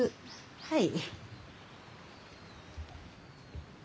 はい。